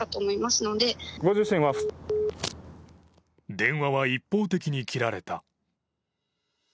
電話は一方的に切られた。